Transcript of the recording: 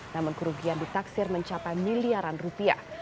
namun kerugian ditaksir mencapai miliaran rupiah